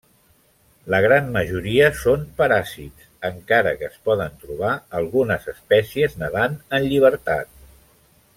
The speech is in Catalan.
La gran majoria són paràsits, encara que es poden trobar algunes espècies nedant en llibertat.